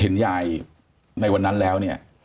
เห็นยายในวันนั้นแล้ว